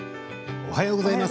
おはようございます。